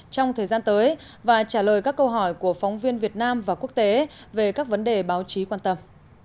trong thời gian tới và trả lời các câu hỏi của phóng viên việt nam và quốc tế về các vấn đề báo chí quan tâm